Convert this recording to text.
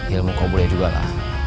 ilmu kau boleh juga lah